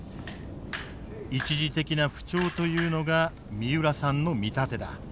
一時的な不調というのが三浦さんの見立てだ。